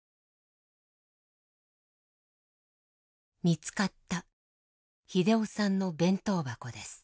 見つかった秀雄さんの弁当箱です。